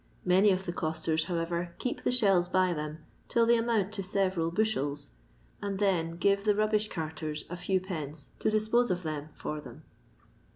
Many of the costers, however, keep the shells by them till they amount to several bushels, and then give the rubbish carters a Ibw pence to dispose of them for them.